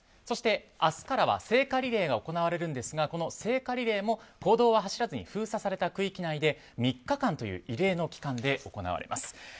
そして、明日からは聖火リレーが行われるんですがこの聖火リレーも公道は走らずに封鎖された区域内で３日間という異例の期間で行われます。